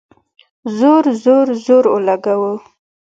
زور ، زور، زور اولګوو